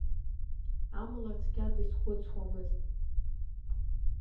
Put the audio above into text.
Амала цқьа дызхәыцуамызт.